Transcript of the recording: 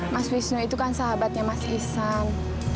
mas wisnu itu kan sahabatnya mas isan